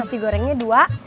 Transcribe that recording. nasi gorengnya dua